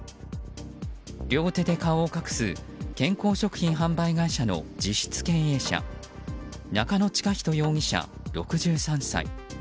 両手で顔を隠す健康食品販売会社の実質経営者中野親人容疑者、６３歳。